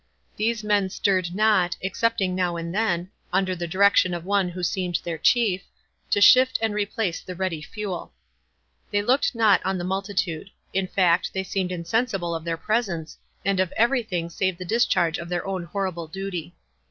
These men stirred not, excepting now and then, under the direction of one who seemed their chief, to shift and replace the ready fuel. They looked not on the multitude. In fact, they seemed insensible of their presence, and of every thing save the discharge of their own horrible duty.